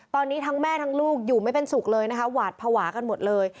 ตอนนี้ทั้งแม่ทั้งลูกอยู่ไม่เป็นสุขเลยนะคะหวาดภาวะกันหมดเลย